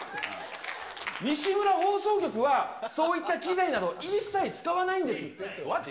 西村放送局は、そういった機材など一切使わないんです。